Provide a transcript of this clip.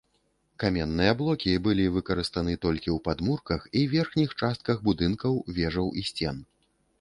Каменныя блокі былі выкарыстаны толькі ў падмурках і верхніх частках будынкаў, вежаў і сцен.